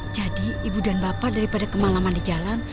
jadi ibu dan bapak daripada kemang mang di jalan